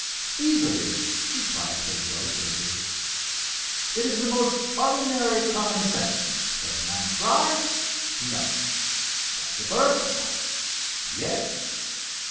"Easily," replied Pedro glibly. "It is the most ordinary common sense. Does man fly? No. Does the bird fly? Yes.